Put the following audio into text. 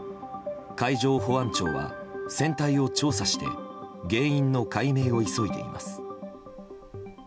海上保安庁は船体を調査して原因の解明を急いでいます。